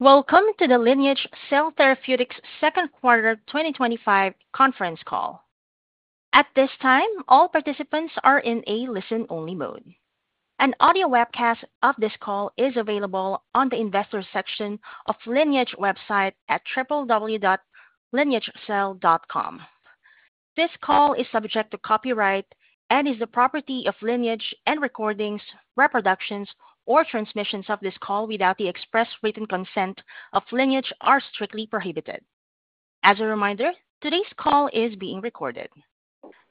Welcome to the Lineage Cell Therapeutics Second Quarter 2025 Conference Call. At this time, all participants are in a listen-only mode. An audio webcast of this call is available on the investor section of the Lineage website at www.lineagecell.com. This call is subject to copyright and is the property of Lineage, and recordings, reproductions, or transmissions of this call without the express written consent of Lineage are strictly prohibited. As a reminder, today's call is being recorded.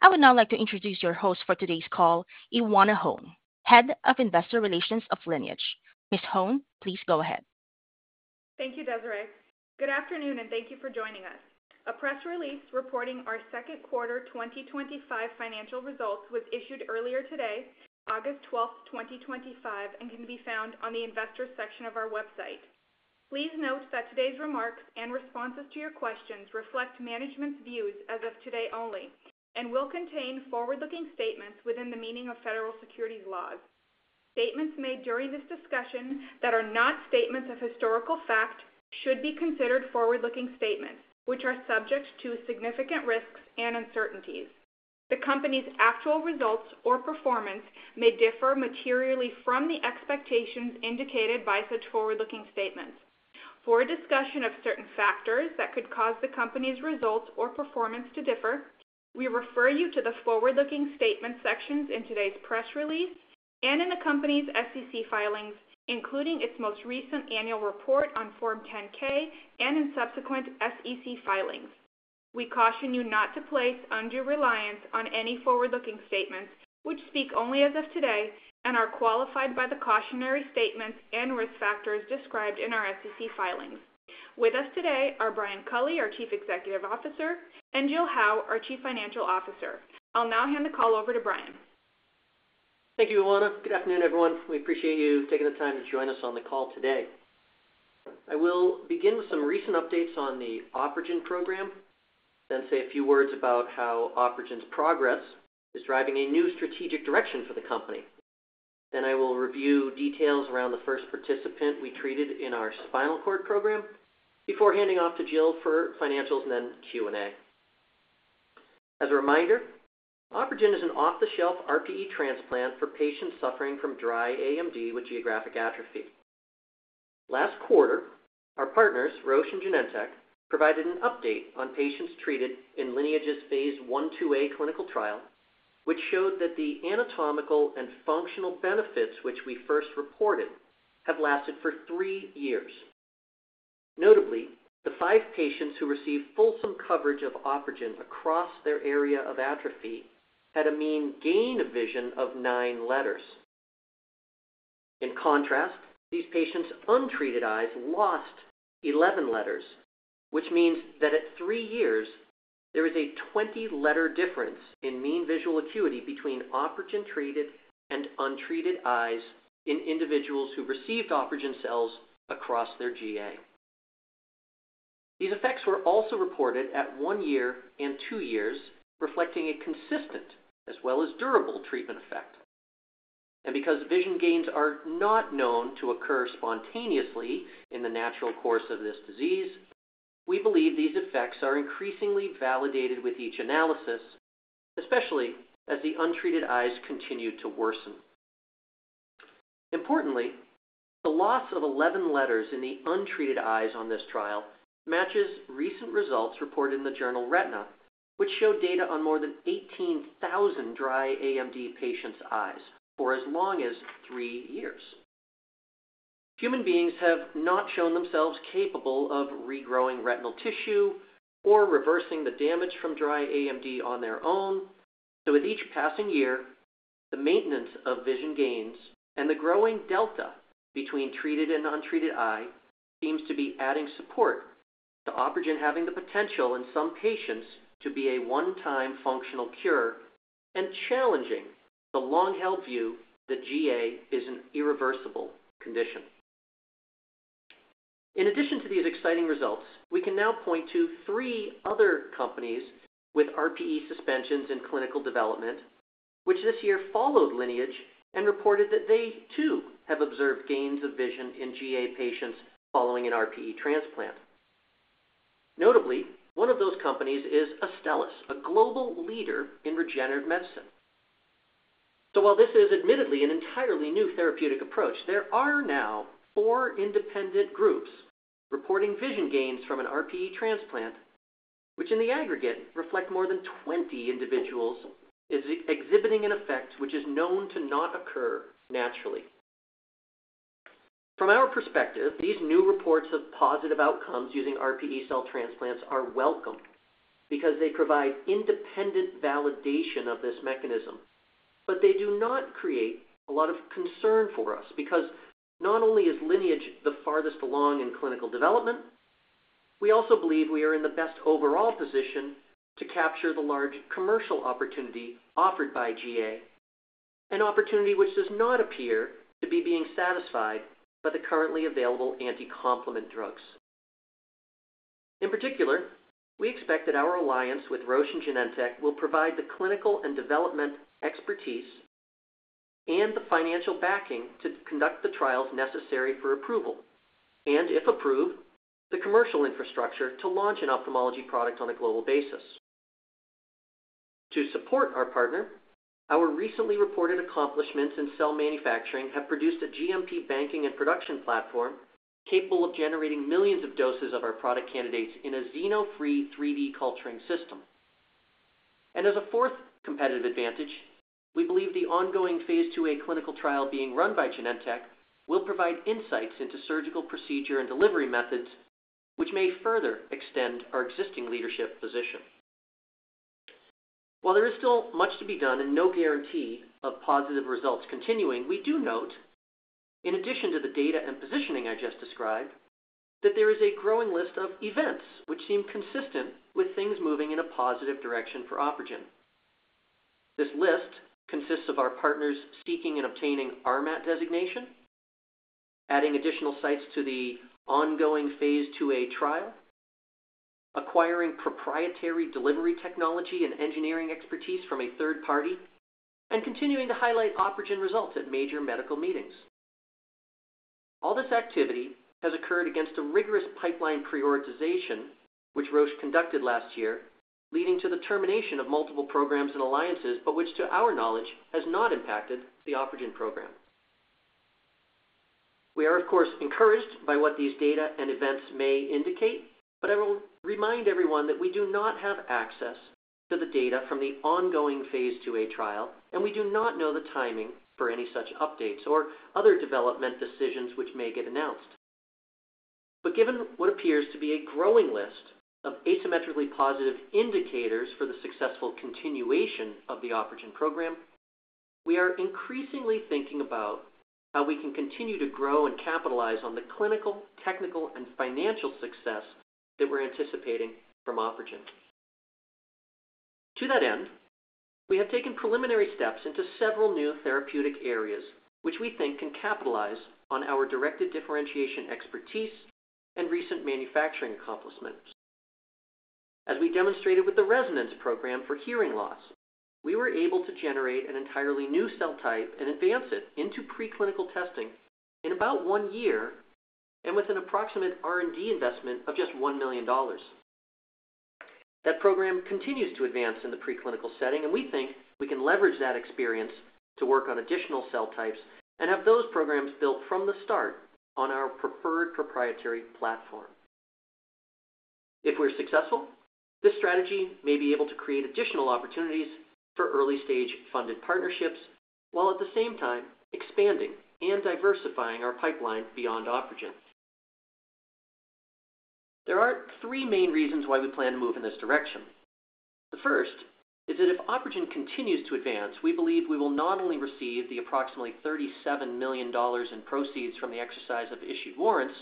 I would now like to introduce your host for today's call, Ioana Hone, Head of Investor Relations of Lineage. Ms. Hone, please go ahead. Thank you, Desiree. Good afternoon, and thank you for joining us. A press release reporting our Second Quarter 2025 Financial Results was issued earlier today, August 12, 2025, and can be found on the investor section of our website. Please note that today's remarks and responses to your questions reflect management's views as of today only and will contain forward-looking statements within the meaning of federal securities laws. Statements made during this discussion that are not statements of historical fact should be considered forward-looking statements, which are subject to significant risks and uncertainties. The company's actual results or performance may differ materially from the expectations indicated by such forward-looking statements. For a discussion of certain factors that could cause the company's results or performance to differ, we refer you to the forward-looking statement sections in today's press release and in the company's SEC filings, including its most recent annual report on Form 10-K and in subsequent SEC filings. We caution you not to place undue reliance on any forward-looking statements, which speak only as of today and are qualified by the cautionary statements and risk factors described in our SEC filings. With us today are Brian Culley, our Chief Executive Officer, and Jill Howe, our Chief Financial Officer. I'll now hand the call over to Brian. Thank you, Ioana. Good afternoon, everyone. We appreciate you taking the time to join us on the call today. I will begin with some recent updates on the OpRegen program, then say a few words about how OpRegen's progress is driving a new strategic direction for the company. I will review details around the first participant we treated in our spinal cord program before handing off to Jill for financials and then Q&A. As a reminder, OpRegen is an off-the-shelf RPE transplant for patients suffering from dry AMD with geographic atrophy. Last quarter, our partners, Roche and Genentech, provided an update on patients treated in Lineage's phase I/II-A clinical trial, which showed that the anatomical and functional benefits which we first reported have lasted for three years. Notably, the five patients who received fulsome coverage of OpRegen across their area of atrophy had a mean gain of vision of nine letters. In contrast, these patients' untreated eyes lost 11 letters, which means that at three years, there is a 20-letter difference in mean visual acuity between OpRegen-treated and untreated eyes in individuals who received OpRegen cells across their GA. These effects were also reported at one year and two years, reflecting a consistent as well as durable treatment effect. Because vision gains are not known to occur spontaneously in the natural course of this disease, we believe these effects are increasingly validated with each analysis, especially as the untreated eyes continue to worsen. Importantly, the loss of 11 letters in the untreated eyes on this trial matches recent results reported in the journal RETINA, which showed data on more than 18,000 dry AMD patients' eyes for as long as three years. Human beings have not shown themselves capable of regrowing retinal tissue or reversing the damage from dry AMD on their own, and with each passing year, the maintenance of vision gains and the growing delta between treated and untreated eye seems to be adding support to OpRegen having the potential in some patients to be a one-time functional cure and challenging the long-held view that GA is an irreversible condition. In addition to these exciting results, we can now point to three other companies with RPE suspensions in clinical development, which this year followed Lineage and reported that they too have observed gains of vision in GA patients following an RPE transplant. Notably, one of those companies is Astellas, a global leader in regenerative medicine. While this is admittedly an entirely new therapeutic approach, there are now four independent groups reporting vision gains from an RPE transplant, which in the aggregate reflect more than 20 individuals exhibiting an effect which is known to not occur naturally. From our perspective, these new reports of positive outcomes using RPE cell transplants are welcome because they provide independent validation of this mechanism, but they do not create a lot of concern for us because not only is Lineage the farthest along in clinical development, we also believe we are in the best overall position to capture the large commercial opportunity offered by GA, an opportunity which does not appear to be being satisfied by the currently available anti-complement drugs. In particular, we expect that our alliance with Roche and Genentech will provide the clinical and development expertise and the financial backing to conduct the trials necessary for approval and, if approved, the commercial infrastructure to launch an ophthalmology product on a global basis. To support our partner, our recently reported accomplishments in cell manufacturing have produced a GMP banking and production platform capable of generating millions of doses of our product candidates in a xeno-free 3D culturing system. As a fourth competitive advantage, we believe the ongoing phase II-A clinical trial being run by Genentech will provide insights into surgical procedure and delivery methods, which may further extend our existing leadership position. While there is still much to be done and no guarantee of positive results continuing, we do note, in addition to the data and positioning I just described, that there is a growing list of events which seem consistent with things moving in a positive direction for OpRegen. This list consists of our partners seeking and obtaining RMAT designation, adding additional sites to the ongoing phase II-A trial, acquiring proprietary delivery technology and engineering expertise from a third party, and continuing to highlight OpRegen results at major medical meetings. All this activity has occurred against a rigorous pipeline prioritization which Roche conducted last year, leading to the termination of multiple programs and alliances, which, to our knowledge, has not impacted the OpRegen program. We are, of course, encouraged by what these data and events may indicate, but I will remind everyone that we do not have access to the data from the ongoing phase II-A trial, and we do not know the timing for any such updates or other development decisions which may get announced. Given what appears to be a growing list of asymmetrically positive indicators for the successful continuation of the OpRegen program, we are increasingly thinking about how we can continue to grow and capitalize on the clinical, technical, and financial success that we're anticipating from OpRegen. To that end, we have taken preliminary steps into several new therapeutic areas which we think can capitalize on our directed differentiation expertise and recent manufacturing accomplishments. As we demonstrated with the ReSonance program for hearing loss, we were able to generate an entirely new cell type and advance it into preclinical testing in about one year and with an approximate R&D investment of just $1 million. That program continues to advance in the preclinical setting, and we think we can leverage that experience to work on additional cell types and have those programs built from the start on our preferred proprietary platform. If we're successful, this strategy may be able to create additional opportunities for early-stage funded partnerships while at the same time expanding and diversifying our pipeline beyond OpRegen. There are three main reasons why we plan to move in this direction. The first is that if OpRegen continues to advance, we believe we will not only receive the approximately $37 million in proceeds from the exercise of issued warrants,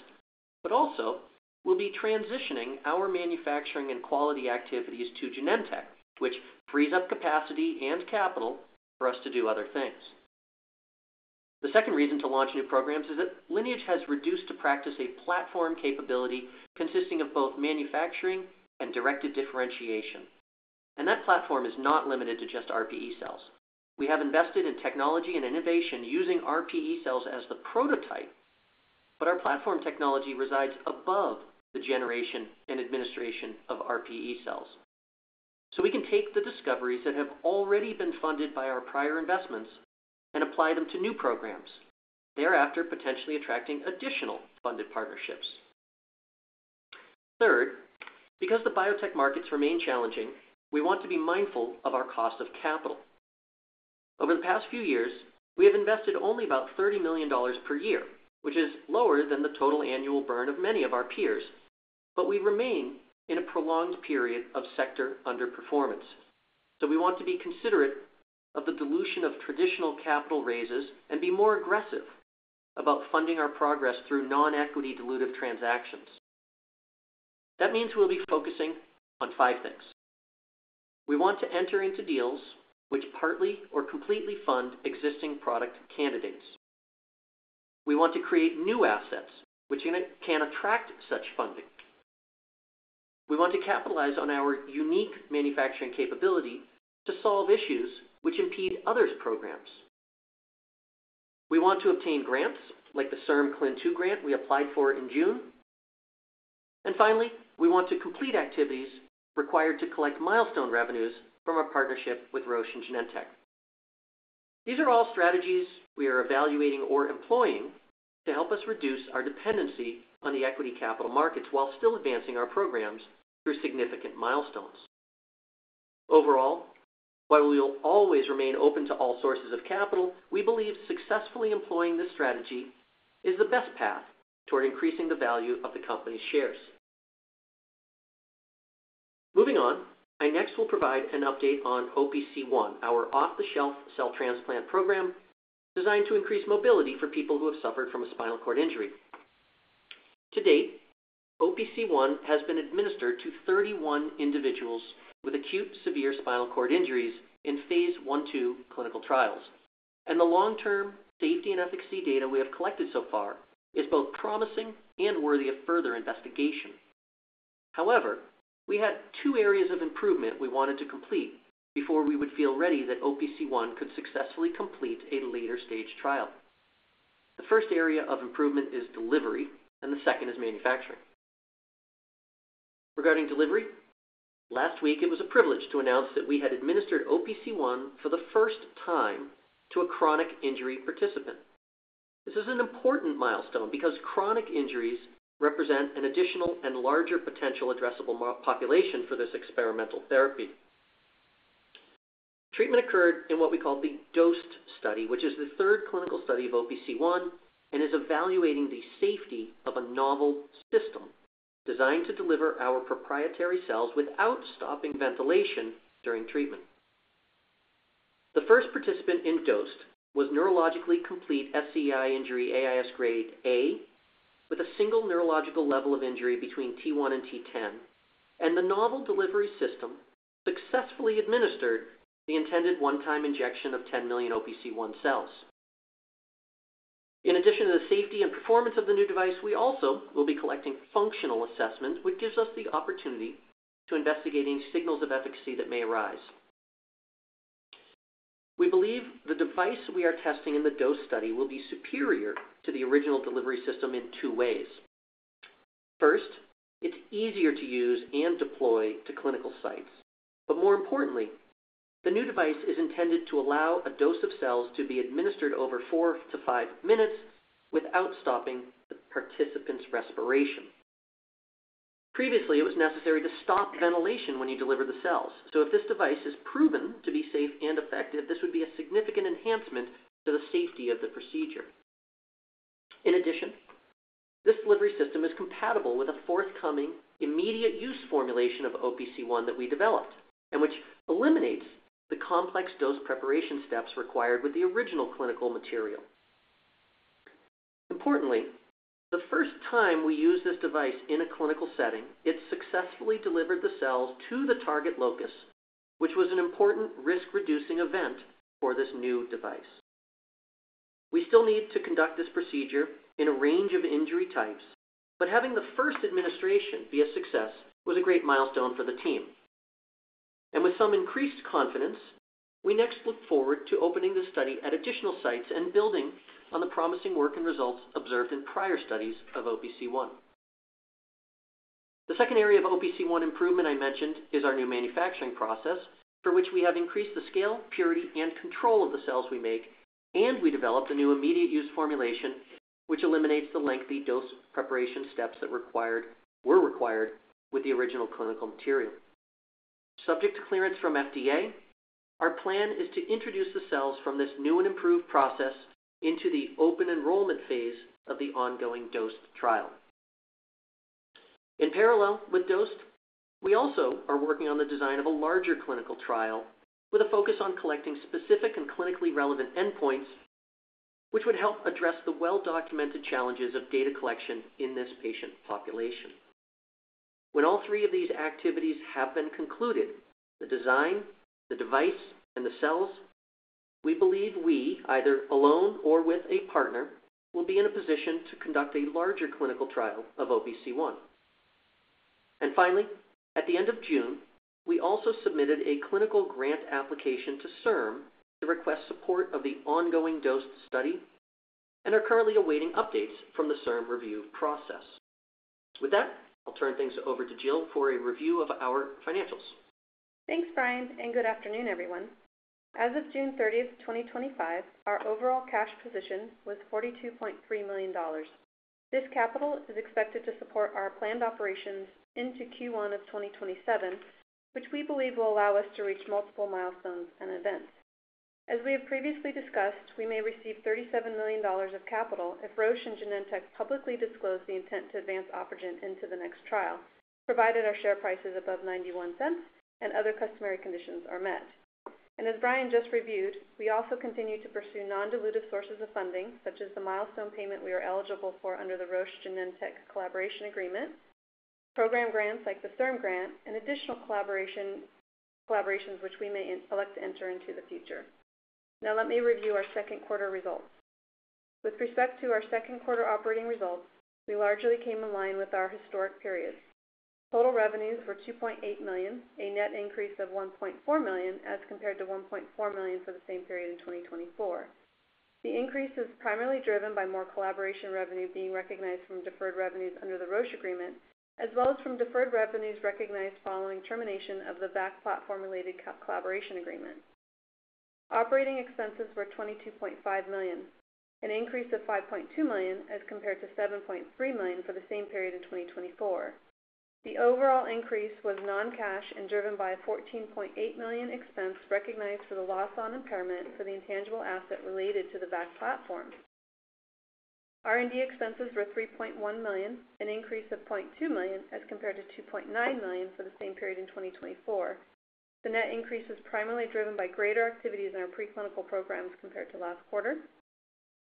but also we'll be transitioning our manufacturing and quality activities to Genentech, which frees up capacity and capital for us to do other things. The second reason to launch new programs is that Lineage has reduced to practice a platform capability consisting of both manufacturing and directed differentiation. That platform is not limited to just RPE cells. We have invested in technology and innovation using RPE cells as the prototype, but our platform technology resides above the generation and administration of RPE cells. We can take the discoveries that have already been funded by our prior investments and apply them to new programs, thereafter potentially attracting additional funded partnerships. Third, because the biotech markets remain challenging, we want to be mindful of our cost of capital. Over the past few years, we have invested only about $30 million per year, which is lower than the total annual burn of many of our peers, but we remain in a prolonged period of sector underperformance. We want to be considerate of the dilution of traditional capital raises and be more aggressive about funding our progress through non-equity dilutive transactions. That means we'll be focusing on five things. We want to enter into deals which partly or completely fund existing product candidates. We want to create new assets which can attract such funding. We want to capitalize on our unique manufacturing capability to solve issues which impede others' programs. We want to obtain grants like the CIRM-CLIN2 grant we applied for in June. Finally, we want to complete activities required to collect milestone revenues from our partnership with Roche and Genentech. These are all strategies we are evaluating or employing to help us reduce our dependency on the equity capital markets while still advancing our programs through significant milestones. Overall, while we'll always remain open to all sources of capital, we believe successfully employing this strategy is the best path toward increasing the value of the company's shares. Moving on, I next will provide an update on OPC1, our off-the-shelf cell transplant program designed to increase mobility for people who have suffered from a spinal cord injury. To date, OPC1 has been administered to 31 individuals with acute severe spinal cord injuries in phase I/II clinical trials, and the long-term safety and efficacy data we have collected so far is both promising and worthy of further investigation. However, we had two areas of improvement we wanted to complete before we would feel ready that OPC1 could successfully complete a later-stage trial. The first area of improvement is delivery, and the second is manufacturing. Regarding delivery, last week it was a privilege to announce that we had administered OPC1 for the first time to a chronic injury participant. This is an important milestone because chronic injuries represent an additional and larger potential addressable population for this experimental therapy. Treatment occurred in what we call the DOST study, which is the third clinical study of OPC1 and is evaluating the safety of a novel system designed to deliver our proprietary cells without stopping ventilation during treatment. The first participant in DOST was neurologically complete SCI injury AIS grade A with a single neurological level of injury between T1 and T10. The novel delivery system successfully administered the intended one-time injection of 10 million OPC1 cells. In addition to the safety and performance of the new device, we also will be collecting functional assessment, which gives us the opportunity to investigate any signals of efficacy that may arise. We believe the device we are testing in the DOST study will be superior to the original delivery system in two ways. First, it's easier to use and deploy to clinical sites. More importantly, the new device is intended to allow a dose of cells to be administered over four to five minutes without stopping the participant's respiration. Previously, it was necessary to stop ventilation when you deliver the cells. If this device is proven to be safe and effective, this would be a significant enhancement to the safety of the procedure. In addition, this delivery system is compatible with a forthcoming immediate use formulation of OPC1 that we developed and which eliminates the complex dose preparation steps required with the original clinical material. Importantly, the first time we use this device in a clinical setting, it successfully delivered the cells to the target locus, which was an important risk-reducing event for this new device. We still need to conduct this procedure in a range of injury types, but having the first administration be a success was a great milestone for the team. With some increased confidence, we next look forward to opening the study at additional sites and building on the promising work and results observed in prior studies of OPC1. The second area of OPC1 improvement I mentioned is our new manufacturing process for which we have increased the scale, purity, and control of the cells we make, and we developed a new immediate use formulation which eliminates the lengthy dose preparation steps that were required with the original clinical material. Subject to clearance from the FDA, our plan is to introduce the cells from this new and improved process into the open enrollment phase of the ongoing DOST trial. In parallel with DOST, we also are working on the design of a larger clinical trial with a focus on collecting specific and clinically relevant endpoints, which would help address the well-documented challenges of data collection in this patient population. When all three of these activities have been concluded, the design, the device, and the cells, we believe we, either alone or with a partner, will be in a position to conduct a larger clinical trial of OPC1. Finally, at the end of June, we also submitted a clinical grant application to CIRM to request support of the ongoing DOST study and are currently awaiting updates from the CIRM review process. With that, I'll turn things over to Jill for a review of our financials. Thanks, Brian, and good afternoon, everyone. As of June 30, 2025, our overall cash position was $42.3 million. This capital is expected to support our planned operations into Q1 of 2027, which we believe will allow us to reach multiple milestones and events. As we have previously discussed, we may receive $37 million of capital if Roche and Genentech publicly disclose the intent to advance OpRegen into the next trial, provided our share price is above $0.91, and other customary conditions are met. As Brian just reviewed, we also continue to pursue non-dilutive sources of funding, such as the milestone payment we are eligible for under the Roche-Genentech collaboration agreement, program grants like the CIRM grant, and additional collaborations which we may elect to enter into in the future. Now let me review our second quarter results. With respect to our second quarter operating results, we largely came in line with our historic periods. Total revenues were $2.8 million, a net increase of $1.4 million as compared to $1.4 million for the same period in 2024. The increase is primarily driven by more collaboration revenue being recognized from deferred revenues under the Roche agreement, as well as from deferred revenues recognized following termination of the VAC platform-related collaboration agreement. Operating expenses were $22.5 million, an increase of $15.2 million as compared to $7.3 million for the same period in 2024. The overall increase was non-cash and driven by a $14.8 million expense recognized for the loss on impairment for the intangible asset related to the VAC platform. R&D expenses were $3.1 million, an increase of $0.2 million as compared to $2.9 million for the same period in 2024. The net increase was primarily driven by greater activities in our preclinical programs compared to last quarter.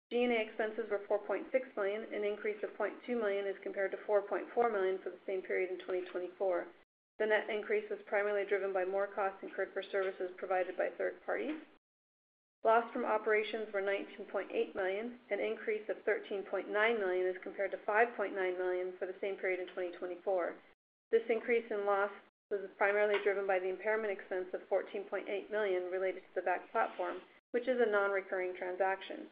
G&A expenses were $4.6 million, an increase of $0.2 million as compared to $4.4 million for the same period in 2024. The net increase was primarily driven by more costs incurred for services provided by third parties. Loss from operations was $19.8 million, an increase of $13.9 million as compared to $5.9 million for the same period in 2024. This increase in loss was primarily driven by the impairment expense of $14.8 million related to the VAC platform, which is a non-recurring transaction.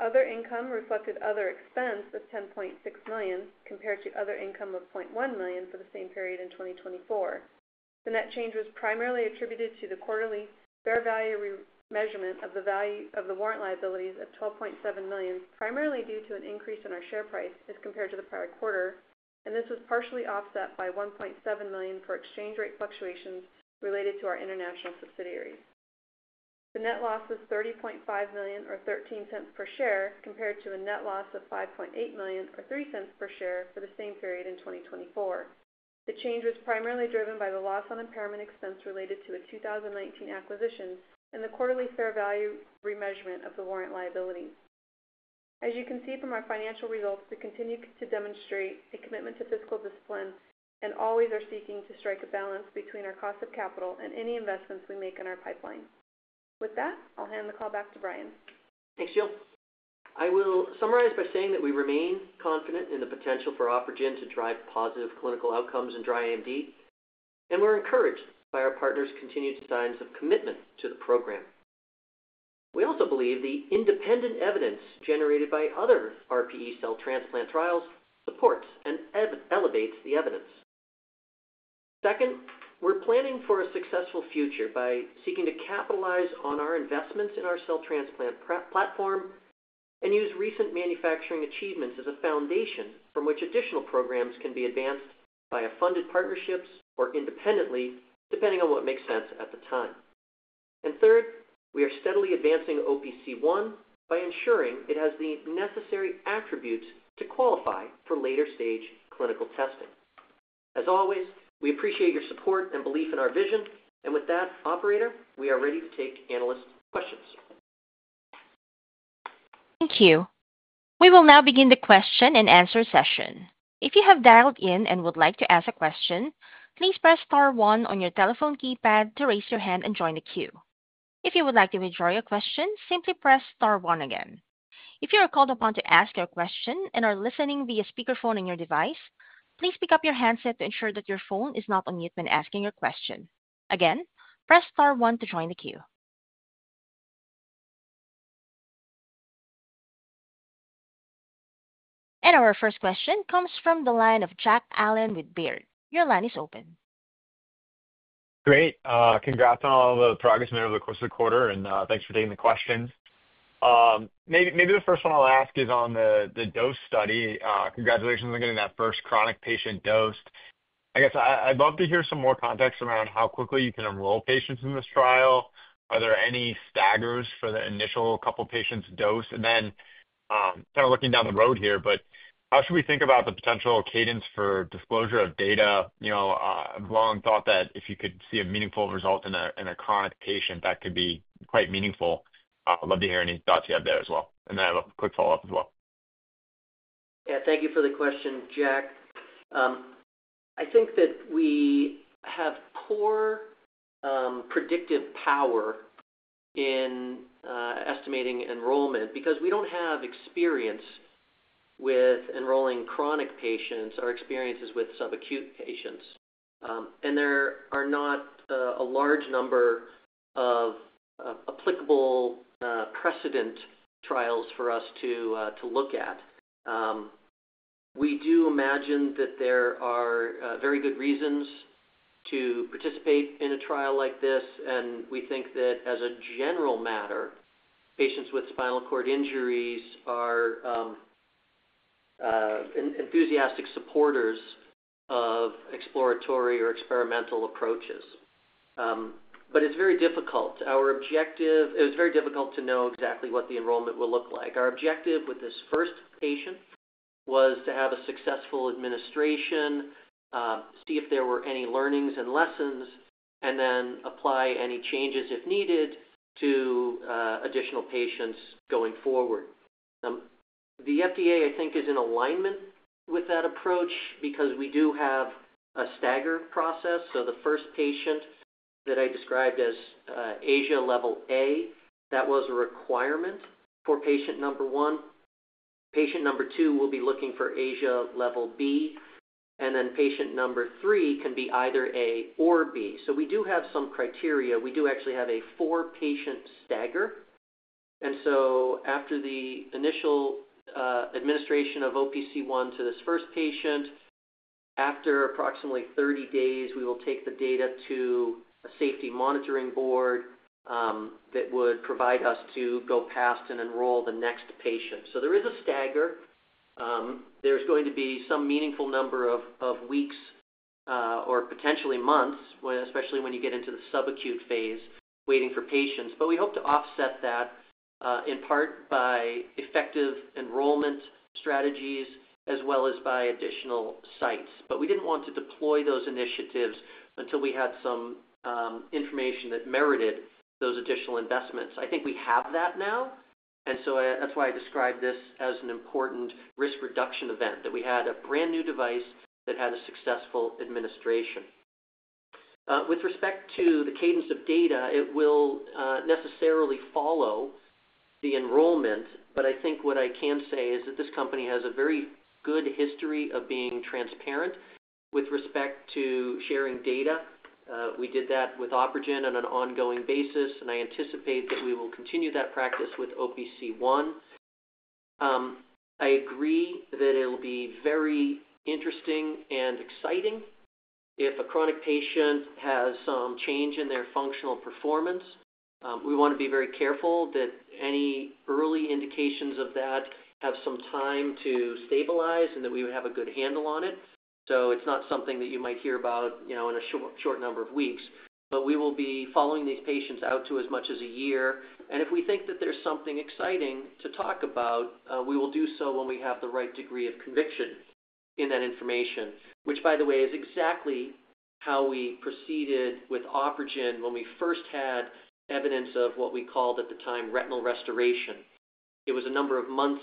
Other income reflected other expense was $10.6 million compared to other income of $0.1 million for the same period in 2024. The net change was primarily attributed to the quarterly fair value measurement of the warrant liabilities at $12.7 million, primarily due to an increase in our share price as compared to the prior quarter, and this was partially offset by $1.7 million for exchange rate fluctuations related to our international subsidiary. The net loss was $30.5 million or $0.13 per share compared to a net loss of $5.8 million or $0.03 per share for the same period in 2024. The change was primarily driven by the loss on impairment expense related to a 2019 acquisition and the quarterly fair value remeasurement of the warrant liability. As you can see from our financial results, we continue to demonstrate a commitment to fiscal discipline and always are seeking to strike a balance between our cost of capital and any investments we make in our pipeline. With that, I'll hand the call back to Brian. Thanks, Jill. I will summarize by saying that we remain confident in the potential for OpRegen to drive positive clinical outcomes in dry AMD, and we're encouraged by our partners' continued signs of commitment to the program. We also believe the independent evidence generated by other RPE cell transplant trials supports and elevates the evidence. We are planning for a successful future by seeking to capitalize on our investments in our cell transplant platform and use recent manufacturing achievements as a foundation from which additional programs can be advanced via funded partnerships or independently, depending on what makes sense at the time. We are steadily advancing OPC1 by ensuring it has the necessary attributes to qualify for later-stage clinical testing. As always, we appreciate your support and belief in our vision. With that, operator, we are ready to take analyst questions. Thank you. We will now begin the question and answer session. If you have dialed in and would like to ask a question, please press star one on your telephone keypad to raise your hand and join the queue. If you would like to withdraw your question, simply press star one again. If you are called upon to ask your question and are listening via speakerphone on your device, please pick up your handset to ensure that your phone is not on mute when asking your question. Again, press star one to join the queue. Our first question comes from the line of Jack Allen with Baird. Your line is open. Great. Congrats on all the progress made over the course of the quarter, and thanks for taking the question. Maybe the first one I'll ask is on the DOST study. Congratulations on getting that first chronic patient dosed. I guess I'd love to hear some more context around how quickly you can enroll patients in this trial. Are there any staggers for the initial couple of patients dosed? Kind of looking down the road here, how should we think about the potential cadence for disclosure of data? You know, I've long thought that if you could see a meaningful result in a chronic patient, that could be quite meaningful. I'd love to hear any thoughts you have there as well. I have a quick follow-up as well. Yeah, thank you for the question, Jack. I think that we have poor predictive power in estimating enrollment because we don't have experience with enrolling chronic patients or experience with subacute patients. There are not a large number of applicable precedent trials for us to look at. We do imagine that there are very good reasons to participate in a trial like this, and we think that as a general matter, patients with spinal cord injuries are enthusiastic supporters of exploratory or experimental approaches. It's very difficult. Our objective, it was very difficult to know exactly what the enrollment will look like. Our objective with this first patient was to have a successful administration, see if there were any learnings and lessons, and then apply any changes if needed to additional patients going forward. The FDA, I think, is in alignment with that approach because we do have a stagger process. The first patient that I described as Asia Level A, that was a requirement for patient number one. Patient number two will be looking for Asia Level B, and patient number three can be either A or B. We do have some criteria. We do actually have a four-patient stagger. After the initial administration of OPC1 to this first patient, after approximately 30 days, we will take the data to a safety monitoring board that would provide us to go past and enroll the next patient. There is a stagger. There's going to be some meaningful number of weeks or potentially months, especially when you get into the subacute phase, waiting for patients. We hope to offset that in part by effective enrollment strategies as well as by additional sites. We didn't want to deploy those initiatives until we had some information that merited those additional investments. I think we have that now. That's why I described this as an important risk reduction event that we had a brand new device that had a successful administration. With respect to the cadence of data, it will necessarily follow the enrollment. I think what I can say is that this company has a very good history of being transparent with respect to sharing data. We did that with OpRegen on an ongoing basis, and I anticipate that we will continue that practice with OPC1. I agree that it'll be very interesting and exciting if a chronic patient has some change in their functional performance. We want to be very careful that any early indications of that have some time to stabilize and that we would have a good handle on it. It's not something that you might hear about in a short number of weeks, but we will be following these patients out to as much as a year. If we think that there's something exciting to talk about, we will do so when we have the right degree of conviction in that information, which, by the way, is exactly how we proceeded with OpRegen when we first had evidence of what we called at the time retinal restoration. It was a number of months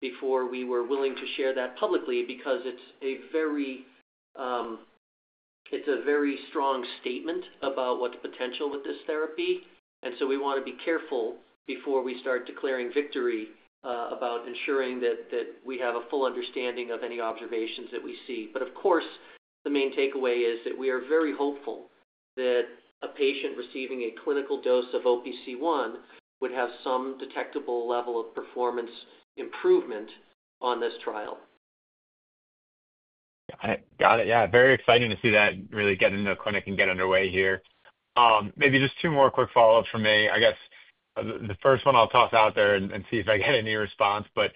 before we were willing to share that publicly because it's a very strong statement about what the potential with this therapy is. We want to be careful before we start declaring victory about ensuring that we have a full understanding of any observations that we see. Of course, the main takeaway is that we are very hopeful that a patient receiving a clinical dose of OPC1 would have some detectable level of performance improvement on this trial. Got it. Yeah, very exciting to see that really get into the clinic and get underway here. Maybe just two more quick follow-ups from me. I guess the first one I'll toss out there and see if I get any response, but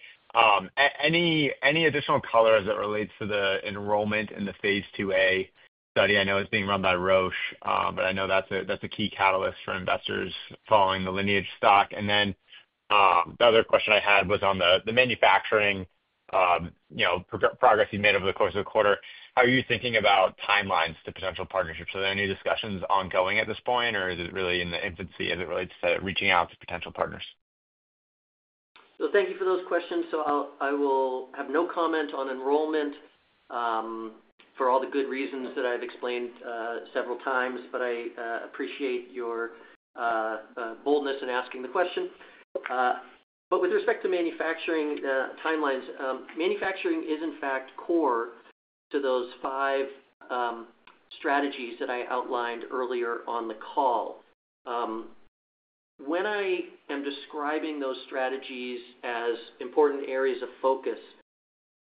any additional color as it relates to the enrollment in the phase II-A? I know it's being run by Roche, but I know that's a key catalyst for investors following the Lineage stock. The other question I had was on the manufacturing progress you've made over the course of the quarter. How are you thinking about timelines to potential partnerships? Are there any discussions ongoing at this point, or is it really in the infancy as it relates to reaching out to potential partners? Thank you for those questions. I will have no comment on enrollment for all the good reasons that I've explained several times, but I appreciate your boldness in asking the question. With respect to manufacturing timelines, manufacturing is in fact core to those five strategies that I outlined earlier on the call. When I am describing those strategies as important areas of focus,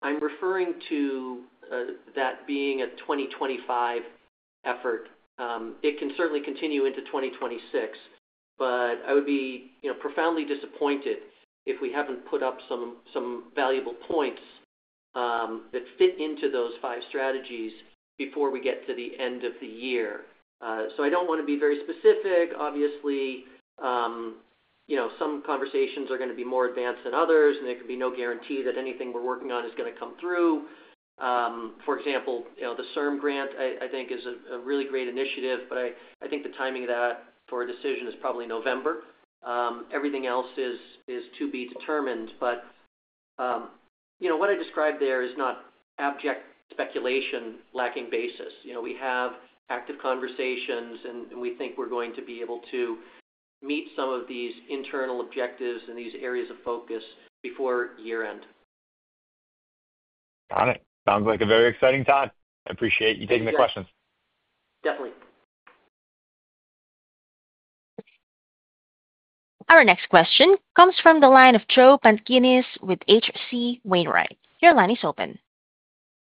I'm referring to that being a 2025 effort. It can certainly continue into 2026, but I would be profoundly disappointed if we haven't put up some valuable points that fit into those five strategies before we get to the end of the year. I don't want to be very specific. Obviously, some conversations are going to be more advanced than others, and there could be no guarantee that anything we're working on is going to come through. For example, the CIRM grant, I think, is a really great initiative, but I think the timing of that for a decision is probably November. Everything else is to be determined. What I described there is not abject speculation lacking basis. We have active conversations, and we think we're going to be able to meet some of these internal objectives and these areas of focus before year end. Got it. Sounds like a very exciting time. I appreciate you taking the questions. Definitely. Our next question comes from the line of Joe Pantginis with H.C. Wainwright. Your line is open.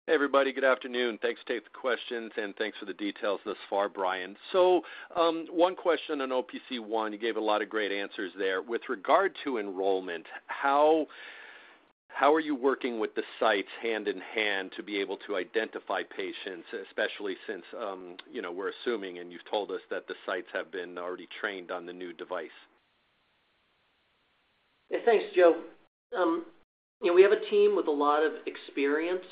Hey, everybody. Good afternoon. Thanks for taking the questions and thanks for the details thus far, Brian. One question on OPC1. You gave a lot of great answers there. With regard to enrollment, how are you working with the sites hand in hand to be able to identify patients, especially since we're assuming and you've told us that the sites have been already trained on the new device? Yeah, thanks, Joe. We have a team with a lot of experience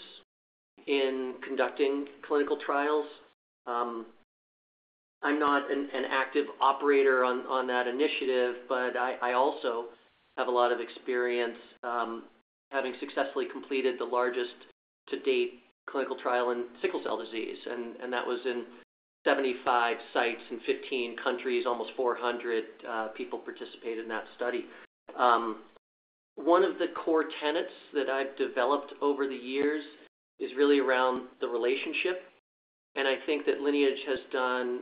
in conducting clinical trials. I'm not an active operator on that initiative, but I also have a lot of experience having successfully completed the largest to date clinical trial in sickle cell disease. That was in 75 sites in 15 countries, almost 400 people participated in that study. One of the core tenets that I've developed over the years is really around the relationship. I think that Lineage Cell Therapeutics has done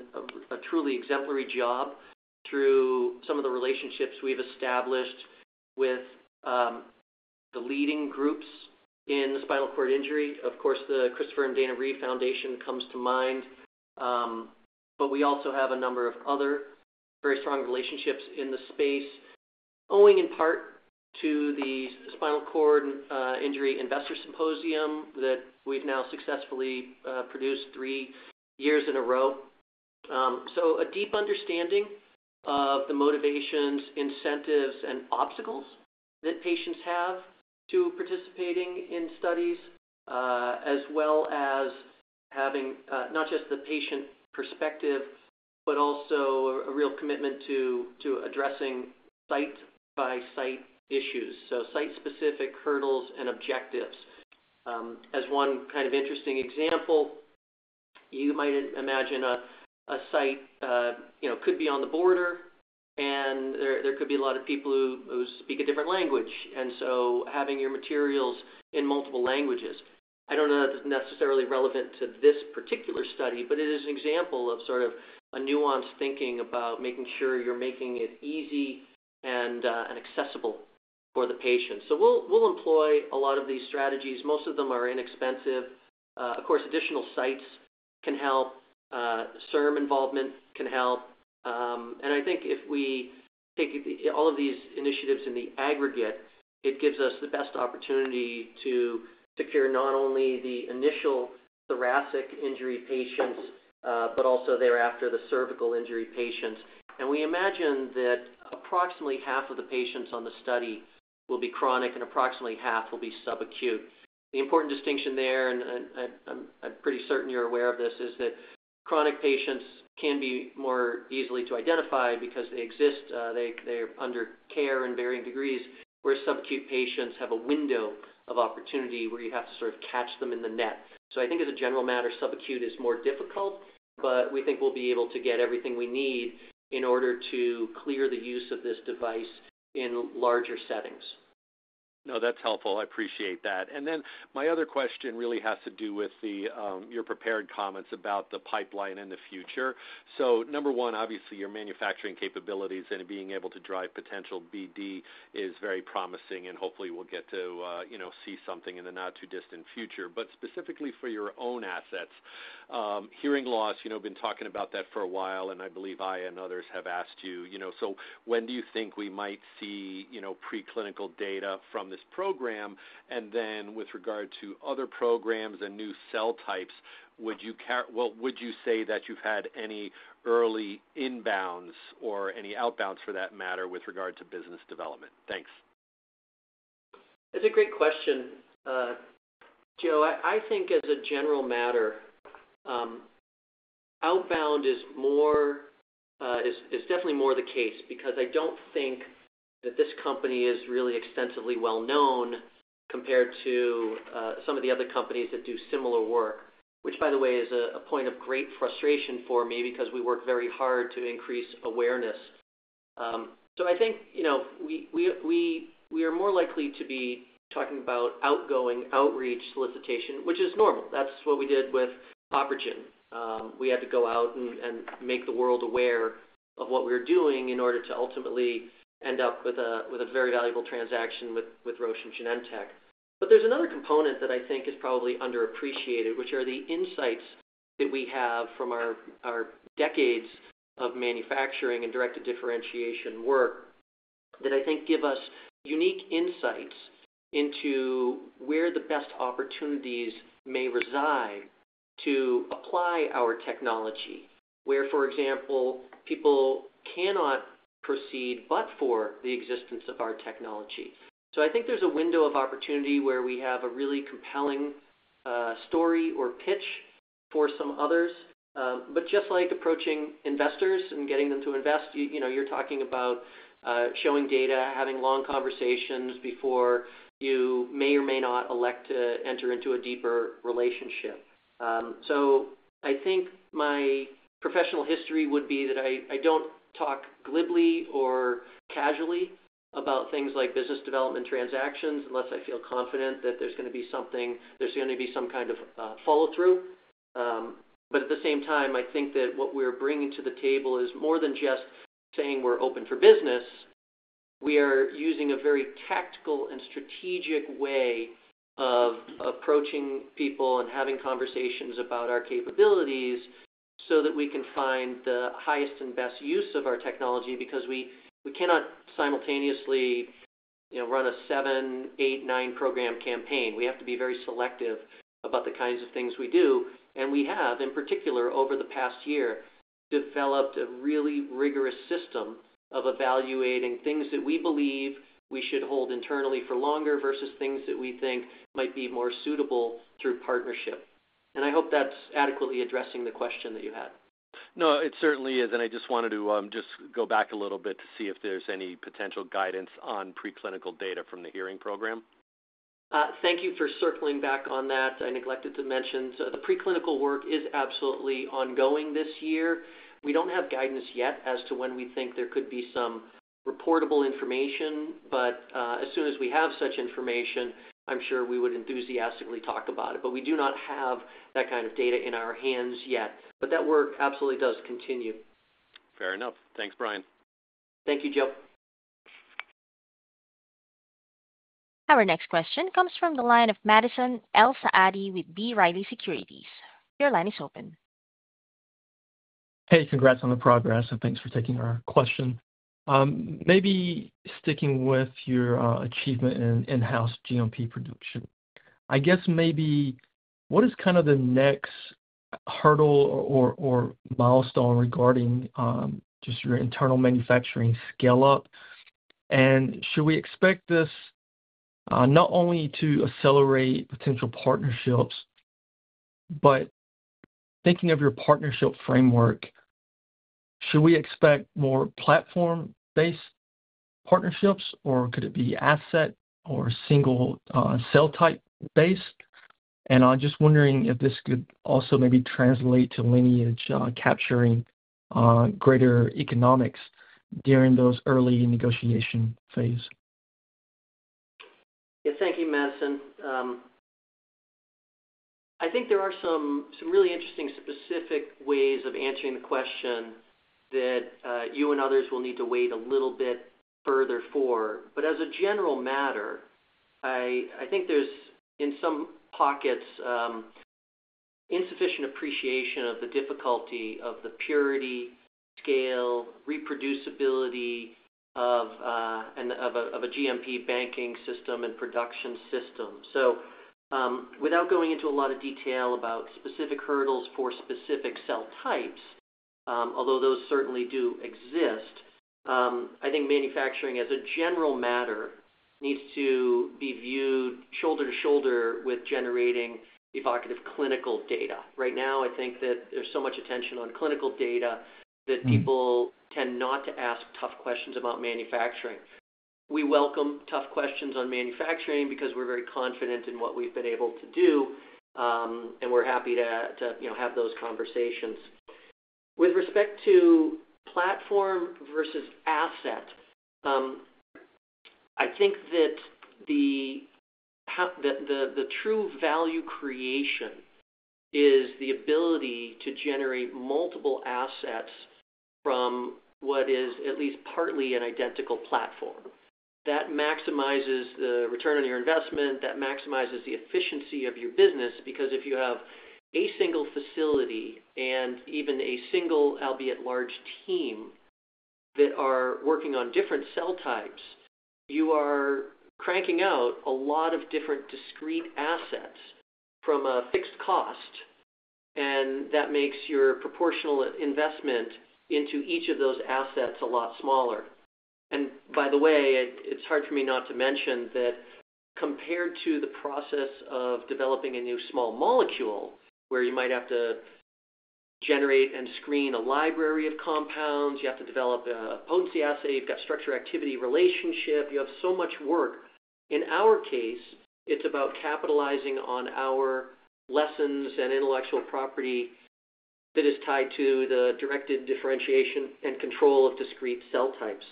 a truly exemplary job through some of the relationships we've established with the leading groups in spinal cord injury. Of course, the Christopher & Dana Reeve Foundation comes to mind, but we also have a number of other very strong relationships in the space, owing in part to the Spinal Cord Injury Investor Symposium that we've now successfully produced three years in a row. A deep understanding of the motivations, incentives, and obstacles that patients have to participating in studies, as well as having not just the patient perspective, but also a real commitment to addressing site-by-site issues, is important. Site-specific hurdles and objectives matter. As one kind of interesting example, you might imagine a site could be on the border, and there could be a lot of people who speak a different language. Having your materials in multiple languages, I don't know that it's necessarily relevant to this particular study, but it is an example of sort of a nuanced thinking about making sure you're making it easy and accessible for the patient. We'll employ a lot of these strategies. Most of them are inexpensive. Additional sites can help. CIRM involvement can help. I think if we take all of these initiatives in the aggregate, it gives us the best opportunity to secure not only the initial thoracic injury patients, but also thereafter the cervical injury patients. We imagine that approximately half of the patients on the study will be chronic and approximately half will be subacute. The important distinction there, and I'm pretty certain you're aware of this, is that chronic patients can be more easily identified because they exist. They're under care in varying degrees, where subacute patients have a window of opportunity where you have to sort of catch them in the net. I think as a general matter, subacute is more difficult, but we think we'll be able to get everything we need in order to clear the use of this device in larger settings. No, that's helpful. I appreciate that. My other question really has to do with your prepared comments about the pipeline in the future. Number one, obviously, your manufacturing capabilities and being able to drive potential BD is very promising, and hopefully, we'll get to see something in the not-too-distant future. Specifically for your own assets, hearing loss, you know we've been talking about that for a while, and I believe I and others have asked you, you know, so when do you think we might see preclinical data from this program? With regard to other programs and new cell types, would you say that you've had any early inbounds or any outbounds, for that matter, with regard to business development? Thanks. That's a great question, Joe. I think as a general matter, outbound is definitely more the case because I don't think that this company is really extensively well known compared to some of the other companies that do similar work, which, by the way, is a point of great frustration for me because we work very hard to increase awareness. I think we are more likely to be talking about outgoing outreach solicitation, which is normal. That's what we did with OpRegen. We had to go out and make the world aware of what we were doing in order to ultimately end up with a very valuable transaction with Roche and Genentech. There's another component that I think is probably underappreciated, which are the insights that we have from our decades of manufacturing and directed differentiation work that I think give us unique insights into where the best opportunities may reside to apply our technology, where, for example, people cannot proceed but for the existence of our technology. I think there's a window of opportunity where we have a really compelling story or pitch for some others. Just like approaching investors and getting them to invest, you're talking about showing data, having long conversations before you may or may not elect to enter into a deeper relationship. I think my professional history would be that I don't talk glibly or casually about things like business development transactions unless I feel confident that there's going to be something, there's going to be some kind of follow-through. At the same time, I think that what we're bringing to the table is more than just saying we're open for business. We are using a very tactical and strategic way of approaching people and having conversations about our capabilities so that we can find the highest and best use of our technology because we cannot simultaneously run a seven, eight, nine program campaign. We have to be very selective about the kinds of things we do. We have, in particular, over the past year, developed a really rigorous system of evaluating things that we believe we should hold internally for longer versus things that we think might be more suitable through partnership. I hope that's adequately addressing the question that you had. It certainly is. I just wanted to go back a little bit to see if there's any potential guidance on preclinical data from the hearing program. Thank you for circling back on that. I neglected to mention, the preclinical work is absolutely ongoing this year. We don't have guidance yet as to when we think there could be some reportable information. As soon as we have such information, I'm sure we would enthusiastically talk about it. We do not have that kind of data in our hands yet, but that work absolutely does continue. Fair enough. Thanks, Brian. Thank you, Joe. Our next question comes from the line of Madison Elsaadi with B. Riley Securities. Your line is open. Hey, congrats on the progress and thanks for taking our question. Maybe sticking with your achievement in in-house GMP production, what is kind of the next hurdle or milestone regarding just your internal manufacturing scale-up? Should we expect this not only to accelerate potential partnerships, but thinking of your partnership framework, should we expect more platform-based partnerships, or could it be asset or single cell type based? I'm just wondering if this could also maybe translate to Lineage capturing greater economics during those early negotiation phases. Yeah, thank you, Madison. I think there are some really interesting specific ways of answering the question that you and others will need to wait a little bit further for. As a general matter, I think there's in some pockets insufficient appreciation of the difficulty of the purity, scale, reproducibility of a GMP banking system and production system. Without going into a lot of detail about specific hurdles for specific cell types, although those certainly do exist, I think manufacturing as a general matter needs to be viewed shoulder to shoulder with generating evocative clinical data. Right now, I think that there's so much attention on clinical data that people tend not to ask tough questions about manufacturing. We welcome tough questions on manufacturing because we're very confident in what we've been able to do, and we're happy to have those conversations. With respect to platform versus asset, I think that the true value creation is the ability to generate multiple assets from what is at least partly an identical platform. That maximizes the return on your investment. That maximizes the efficiency of your business because if you have a single facility and even a single, albeit large team that are working on different cell types, you are cranking out a lot of different discrete assets from a fixed cost, and that makes your proportional investment into each of those assets a lot smaller. By the way, it's hard for me not to mention that compared to the process of developing a new small molecule where you might have to generate and screen a library of compounds, you have to develop a potency assay, you've got structure-activity relationship, you have so much work. In our case, it's about capitalizing on our lessons and intellectual property that is tied to the directed differentiation and control of discrete cell types.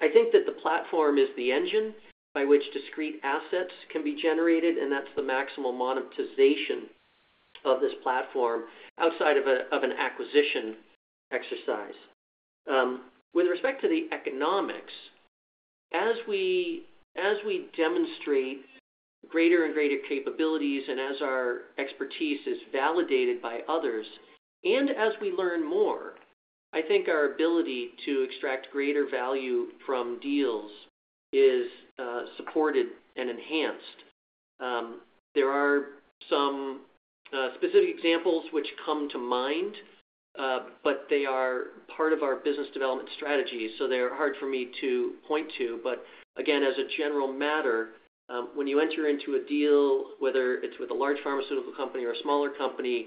I think that the platform is the engine by which discrete assets can be generated, and that's the maximum monetization of this platform outside of an acquisition exercise. With respect to the economics, as we demonstrate greater and greater capabilities and as our expertise is validated by others and as we learn more, I think our ability to extract greater value from deals is supported and enhanced. There are some specific examples which come to mind, but they are part of our business development strategy, so they're hard for me to point to. As a general matter, when you enter into a deal, whether it's with a large pharmaceutical company or a smaller company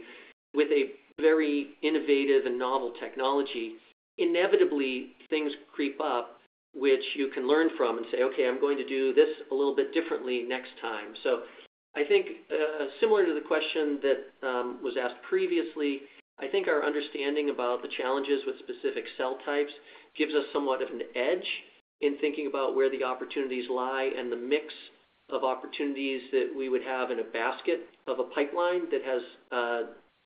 with a very innovative and novel technology, inevitably things creep up which you can learn from and say, "Okay, I'm going to do this a little bit differently next time." I think similar to the question that was asked previously, our understanding about the challenges with specific cell types gives us somewhat of an edge in thinking about where the opportunities lie and the mix of opportunities that we would have in a basket of a pipeline that has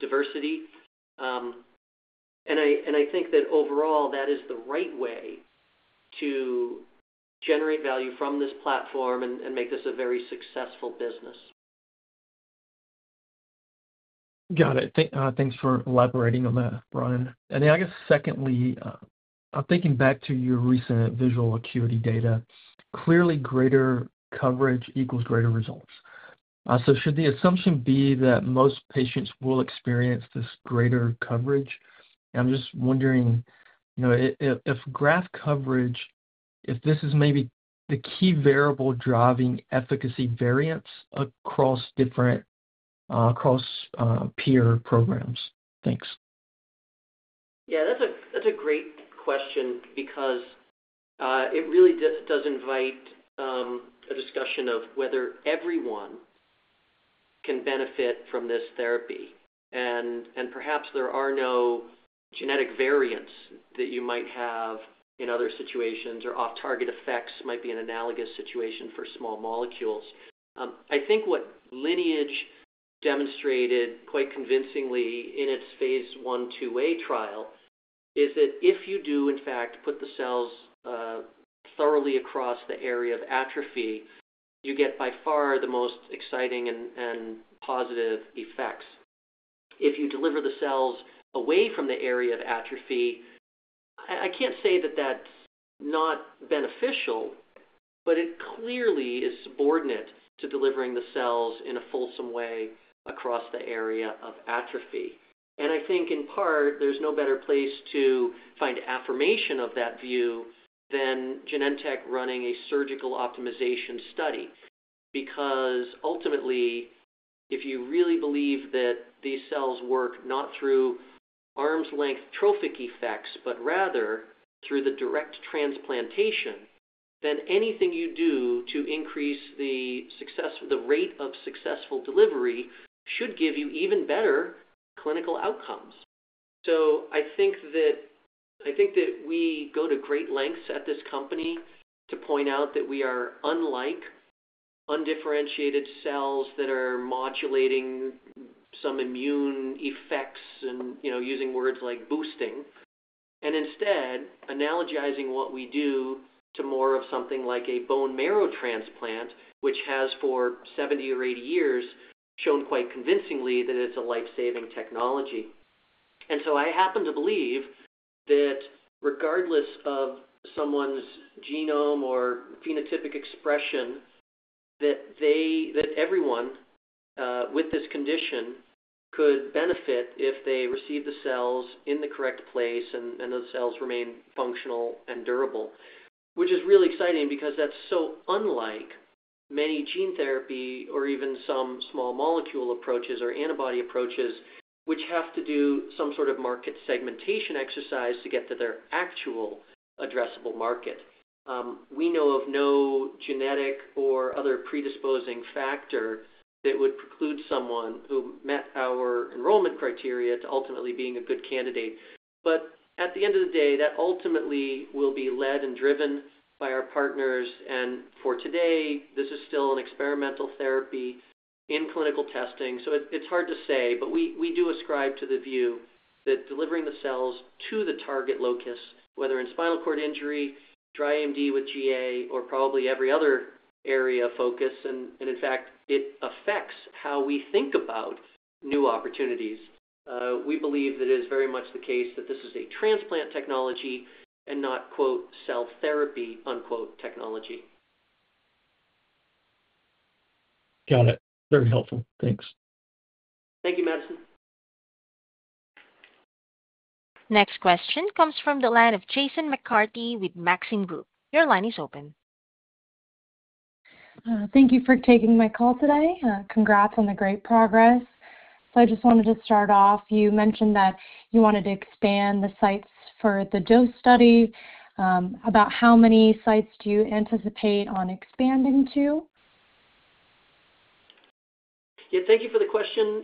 diversity. I think that overall that is the right way to generate value from this platform and make this a very successful business. Got it. Thanks for elaborating on that, Brian. I guess secondly, I'm thinking back to your recent visual acuity data. Clearly, greater coverage equals greater results. Should the assumption be that most patients will experience this greater coverage? I'm just wondering if graft coverage is maybe the key variable driving efficacy variance across different peer programs. Thanks. Yeah, that's a great question because it really does invite a discussion of whether everyone can benefit from this therapy. Perhaps there are no genetic variants that you might have in other situations, or off-target effects might be an analogous situation for small molecules. I think what Lineage Cell Therapeutics demonstrated quite convincingly in its phase I/II-A trial is that if you do, in fact, put the cells thoroughly across the area of atrophy, you get by far the most exciting and positive effects. If you deliver the cells away from the area of atrophy, I can't say that that's not beneficial, but it clearly is subordinate to delivering the cells in a fulsome way across the area of atrophy. I think in part, there's no better place to find affirmation of that view than Genentech running a surgical optimization study because ultimately, if you really believe that these cells work not through arm's length trophic effects, but rather through the direct transplantation, then anything you do to increase the rate of successful delivery should give you even better clinical outcomes. I think that we go to great lengths at this company to point out that we are unlike undifferentiated cells that are modulating some immune effects and using words like boosting, and instead analogizing what we do to more of something like a bone marrow transplant, which has for 70 or 80 years shown quite convincingly that it's a life-saving technology. I happen to believe that regardless of someone's genome or phenotypic expression, that everyone with this condition could benefit if they receive the cells in the correct place and those cells remain functional and durable, which is really exciting because that's so unlike many gene therapy or even some small molecule approaches or antibody approaches, which have to do some sort of market segmentation exercise to get to their actual addressable market. We know of no genetic or other predisposing factor that would preclude someone who met our enrollment criteria to ultimately being a good candidate. At the end of the day, that ultimately will be led and driven by our partners. For today, this is still an experimental therapy in clinical testing. It's hard to say, but we do ascribe to the view that delivering the cells to the target locus, whether in spinal cord injury, dry AMD with GA, or probably every other area of focus, and in fact, it affects how we think about new opportunities. We believe that it is very much the case that this is a transplant technology and not "cell therapy" technology. Got it. Very helpful. Thanks. Thank you, Madison. Next question comes from the line of Jason McCarthy with Maxim Group. Your line is open. Thank you for taking my call today. Congrats on the great progress. I just wanted to start off. You mentioned that you wanted to expand the sites for the DOST study. About how many sites do you anticipate on expanding to? Yeah, thank you for the question.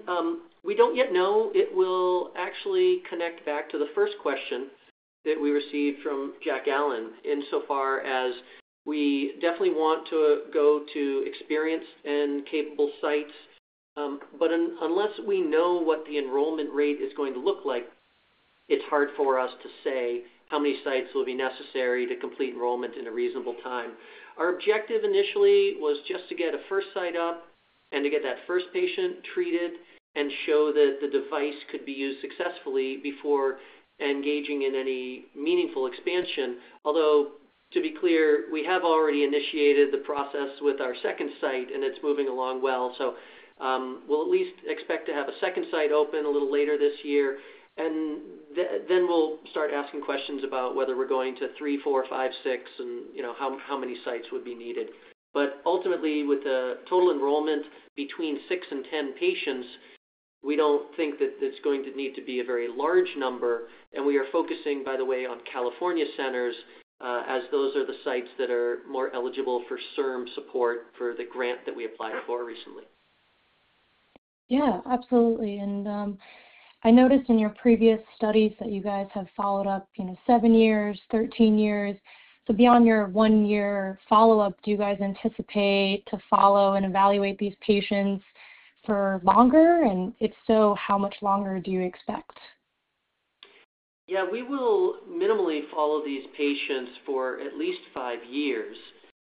We don't yet know. It will actually connect back to the first question that we received from Jack Allen, insofar as we definitely want to go to experienced and capable sites. Unless we know what the enrollment rate is going to look like, it's hard for us to say how many sites will be necessary to complete enrollment in a reasonable time. Our objective initially was just to get a first site up and to get that first patient treated and show that the device could be used successfully before engaging in any meaningful expansion. To be clear, we have already initiated the process with our second site, and it's moving along well. We will at least expect to have a second site open a little later this year. We will start asking questions about whether we're going to three, four, five, six, and how many sites would be needed. Ultimately, with the total enrollment between 6 and 10 patients, we don't think that it's going to need to be a very large number. We are focusing, by the way, on California centers as those are the sites that are more eligible for CIRM support for the grant that we applied for recently. Absolutely. I noticed in your previous studies that you guys have followed up seven years, 13 years. Beyond your one-year follow-up, do you guys anticipate to follow and evaluate these patients for longer? If so, how much longer do you expect? Yeah, we will minimally follow these patients for at least five years.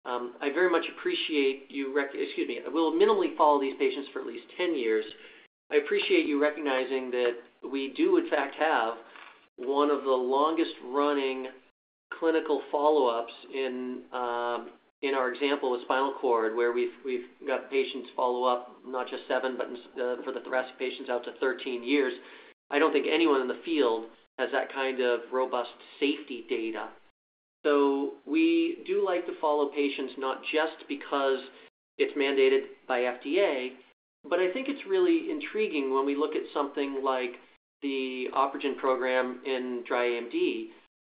I very much appreciate you—excuse me. We'll minimally follow these patients for at least 10 years. I appreciate you recognizing that we do, in fact, have one of the longest running clinical follow-ups in our example with spinal cord where we've got patients follow up not just seven, but for the thoracic patients out to 13 years. I don't think anyone in the field has that kind of robust safety data. We do like to follow patients not just because it's mandated by the FDA, but I think it's really intriguing when we look at something like the OpRegen program in dry AMD.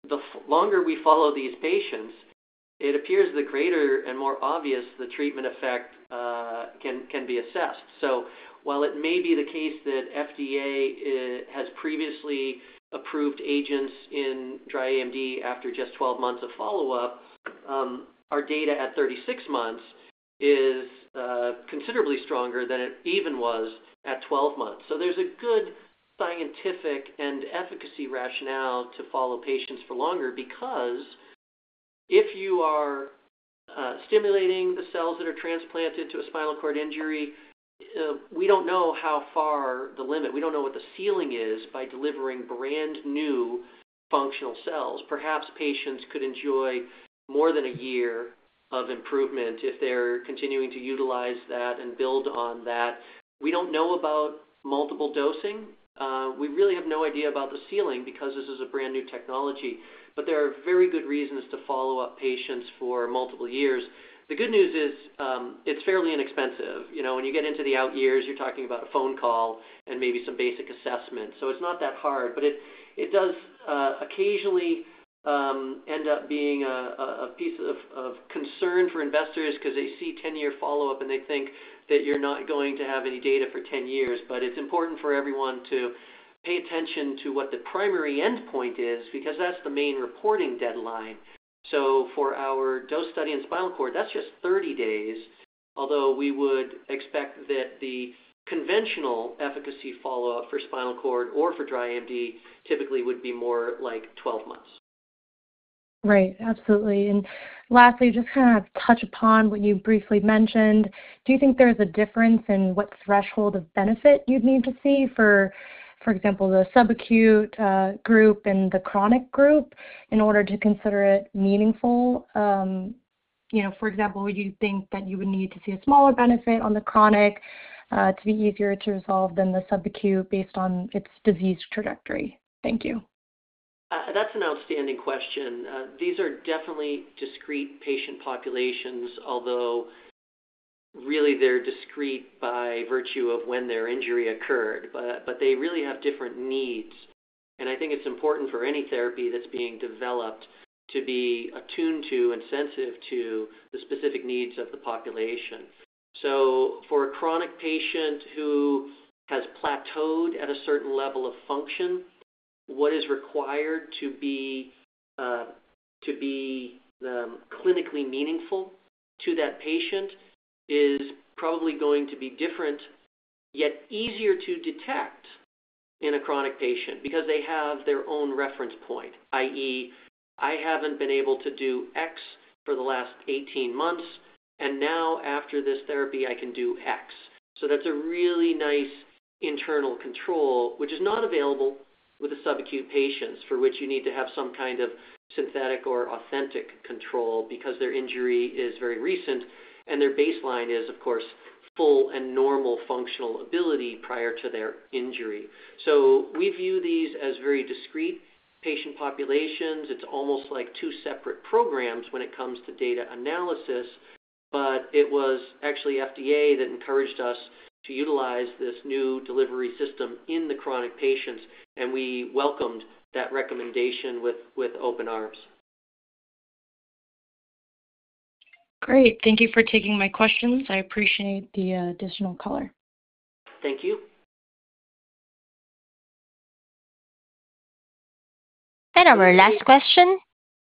The longer we follow these patients, it appears the greater and more obvious the treatment effect can be assessed. While it may be the case that the FDA has previously approved agents in dry AMD after just 12 months of follow-up, our data at 36 months is considerably stronger than it even was at 12 months. There's a good scientific and efficacy rationale to follow patients for longer because if you are stimulating the cells that are transplanted to a spinal cord injury, we don't know how far the limit. We don't know what the ceiling is by delivering brand new functional cells. Perhaps patients could enjoy more than a year of improvement if they're continuing to utilize that and build on that. We don't know about multiple dosing. We really have no idea about the ceiling because this is a brand new technology. There are very good reasons to follow up patients for multiple years. The good news is it's fairly inexpensive. You know, when you get into the out years, you're talking about a phone call and maybe some basic assessment. It's not that hard, but it does occasionally end up being a piece of concern for investors because they see 10-year follow-up and they think that you're not going to have any data for 10 years. It's important for everyone to pay attention to what the primary endpoint is because that's the main reporting deadline. For our DOST study in spinal cord, that's just 30 days, although we would expect that the conventional efficacy follow-up for spinal cord or for dry AMD typically would be more like 12 months. Right, absolutely. Lastly, just kind of touch upon what you briefly mentioned. Do you think there's a difference in what threshold of benefit you'd need to see for, for example, the subacute group and the chronic group in order to consider it meaningful? For example, would you think that you would need to see a smaller benefit on the chronic to be easier to resolve than the subacute based on its disease trajectory? Thank you. That's an outstanding question. These are definitely discrete patient populations, although really they're discrete by virtue of when their injury occurred. They really have different needs. I think it's important for any therapy that's being developed to be attuned to and sensitive to the specific needs of the population. For a chronic patient who has plateaued at a certain level of function, what is required to be clinically meaningful to that patient is probably going to be different, yet easier to detect in a chronic patient because they have their own reference point, i.e., I haven't been able to do X for the last 18 months, and now after this therapy, I can do X. That's a really nice internal control, which is not available with the subacute patients for which you need to have some kind of synthetic or authentic control because their injury is very recent and their baseline is, of course, full and normal functional ability prior to their injury. We view these as very discrete patient populations. It's almost like two separate programs when it comes to data analysis. It was actually FDA that encouraged us to utilize this new delivery system in the chronic patients, and we welcomed that recommendation with open arms. Great. Thank you for taking my questions. I appreciate the additional color. Thank you. Our last question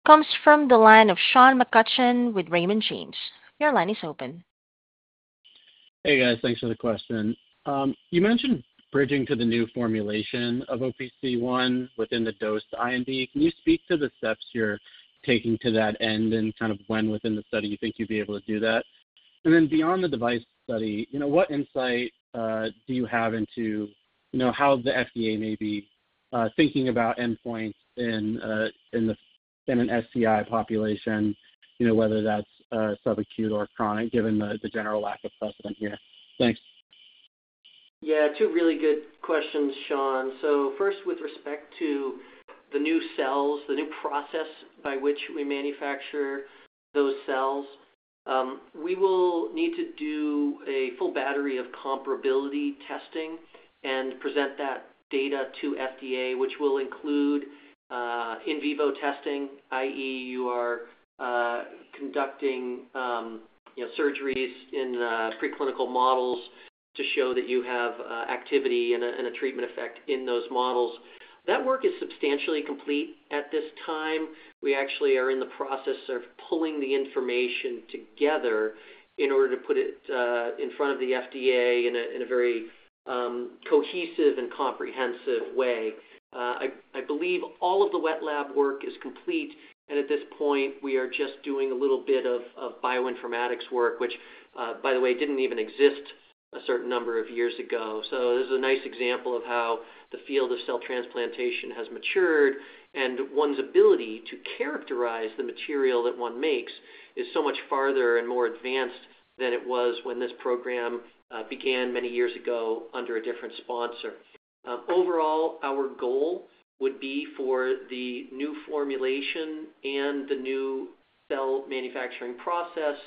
comes from the line of Sean McCutcheon with Raymond James. Your line is open. Hey, guys. Thanks for the question. You mentioned bridging to the new formulation of OPC1 within the DOST IMD. Can you speak to the steps you're taking to that end and kind of when within the study you think you'd be able to do that? Beyond the device study, what insight do you have into how the FDA may be thinking about endpoints in an SCI population, whether that's subacute or chronic, given the general lack of precedent here? Thanks. Yeah, two really good questions, Sean. First, with respect to the new cells, the new process by which we manufacture those cells, we will need to do a full battery of comparability testing and present that data to the FDA, which will include in vivo testing, i.e., you are conducting surgeries in preclinical models to show that you have activity and a treatment effect in those models. That work is substantially complete at this time. We actually are in the process of pulling the information together in order to put it in front of the FDA in a very cohesive and comprehensive way. I believe all of the wet lab work is complete, and at this point, we are just doing a little bit of bioinformatics work, which, by the way, didn't even exist a certain number of years ago. This is a nice example of how the field of cell transplantation has matured, and one's ability to characterize the material that one makes is so much farther and more advanced than it was when this program began many years ago under a different sponsor. Overall, our goal would be for the new formulation and the new cell manufacturing process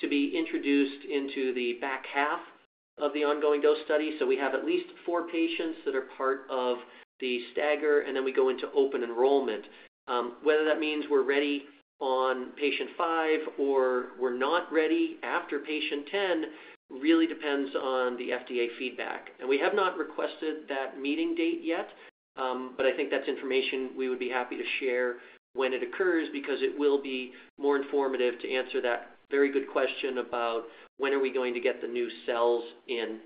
to be introduced into the back half of the ongoing DOST study. We have at least four patients that are part of the stagger, and then we go into open enrollment. Whether that means we're ready on patient five or we're not ready after patient 10 really depends on the FDA feedback. We have not requested that meeting date yet, but I think that's information we would be happy to share when it occurs because it will be more informative to answer that very good question about when are we going to get the new cells in.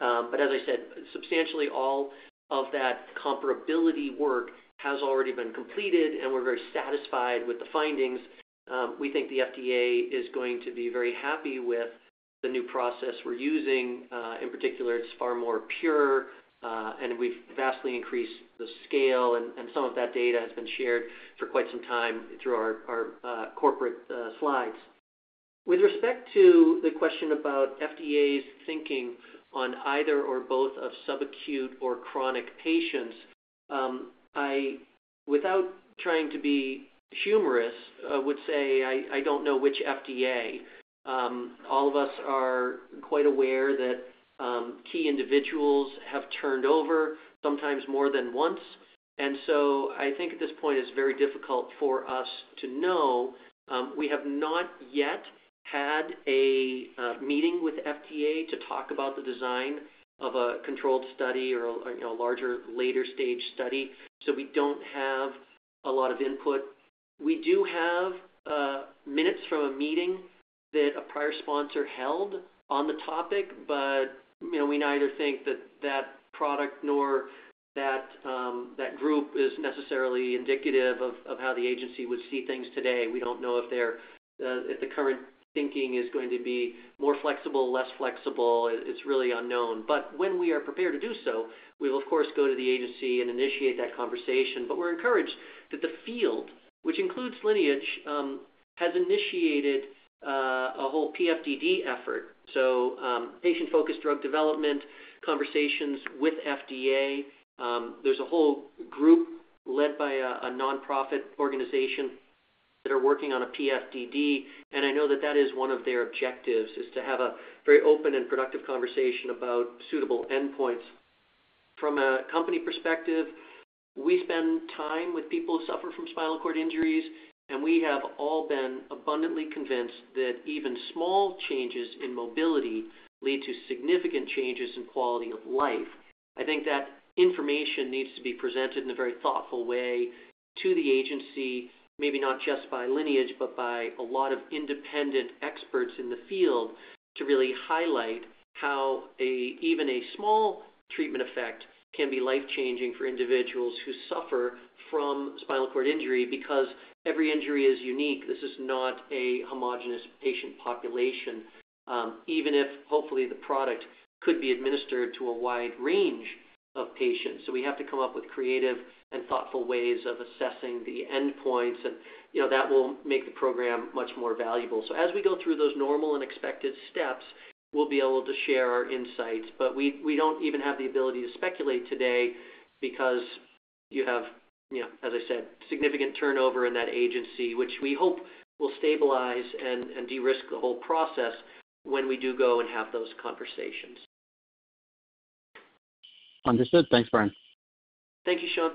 As I said, substantially all of that comparability work has already been completed, and we're very satisfied with the findings. We think the FDA is going to be very happy with the new process we're using. In particular, it's far more pure, and we've vastly increased the scale, and some of that data has been shared for quite some time through our corporate slides. With respect to the question about FDA's thinking on either or both of subacute or chronic patients, I, without trying to be humorous, would say I don't know which FDA. All of us are quite aware that key individuals have turned over sometimes more than once. At this point it's very difficult for us to know. We have not yet had a meeting with the FDA to talk about the design of a controlled study or a larger later-stage study, so we don't have a lot of input. We do have minutes from a meeting that a prior sponsor held on the topic, but we neither think that that product nor that group is necessarily indicative of how the agency would see things today. We don't know if the current thinking is going to be more flexible, less flexible. It's really unknown. When we are prepared to do so, we will, of course, go to the agency and initiate that conversation. We're encouraged that the field, which includes Lineage Cell Therapeutics, has initiated a whole PFDD effort. Patient-focused drug development conversations with FDA are ongoing. There's a whole group led by a nonprofit organization that are working on a PFDD, and I know that that is one of their objectives, to have a very open and productive conversation about suitable endpoints. From a company perspective, we spend time with people who suffer from spinal cord injuries, and we have all been abundantly convinced that even small changes in mobility lead to significant changes in quality of life. I think that information needs to be presented in a very thoughtful way to the agency, maybe not just by Lineage Cell Therapeutics, but by a lot of independent experts in the field to really highlight how even a small treatment effect can be life-changing for individuals who suffer from spinal cord injury because every injury is unique. This is not a homogenous patient population, even if hopefully the product could be administered to a wide range of patients. We have to come up with creative and thoughtful ways of assessing the endpoints, and that will make the program much more valuable. As we go through those normal and expected steps, we'll be able to share our insights. We don't even have the ability to speculate today because you have, as I said, significant turnover in that agency, which we hope will stabilize and de-risk the whole process when we do go and have those conversations. Understood. Thanks, Brian. Thank you, Sean.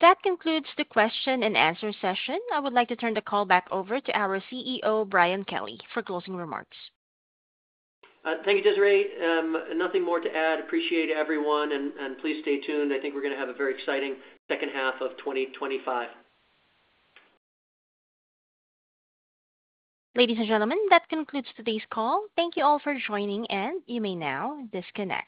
That concludes the question and answer session. I would like to turn the call back over to our CEO, Brian Culley, for closing remarks. Thank you, Desiree. Nothing more to add. Appreciate everyone, and please stay tuned. I think we're going to have a very exciting second half of 2025. Ladies and gentlemen, that concludes today's call. Thank you all for joining, and you may now disconnect.